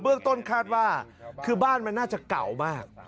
เรื่องต้นคาดว่าคือบ้านมันน่าจะเก่ามาก